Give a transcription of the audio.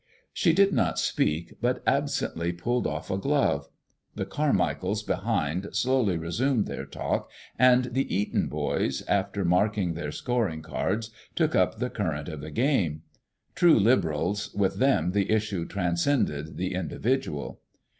She did not speak, but absently pulled off a glove. The Carmichaels behind slowly resumed their talk, and the Eton boys, after marking their scoring cards, took up the current of the game. True liberals, with them the issue transcended the individual.